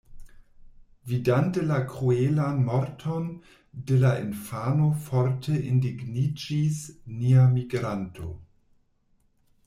Vidante la kruelan morton de la infano forte indigniĝis nia migranto.